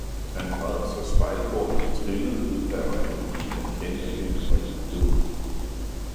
han græd, så spejlkornet trillede ud af øjnene, han kendte hende og jublede.